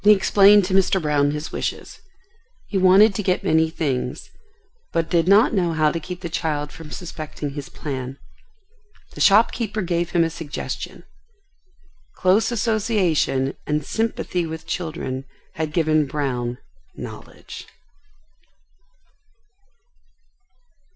He explained to Mr. Brown his wishes. He wanted to get many things, but did not know how to keep the child from suspecting his plan. The shopkeeper gave him a suggestion. Close association and sympathy with children had given Brown knowledge.